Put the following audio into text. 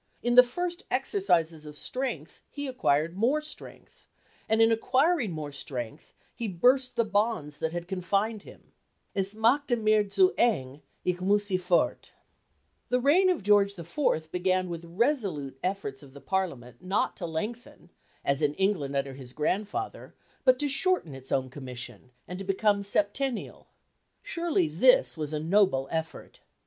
In the first exercises of strength he acquired more strength, and in acquiring more strength he burst the bonds that had confined him. "Es machte mir zu eng, ich mussie fort." The reign of George IV. began with resolute efforts of the Parliament not to lengthen, as in England under his grandfather, but to shorten its own commission, and to become septennial. Surely this was a noble effort.